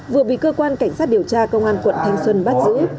vừa bị cơ quan cảnh sát điều tra công an quận thanh xuân bắt giữ